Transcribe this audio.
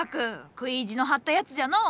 食い意地の張ったやつじゃのう！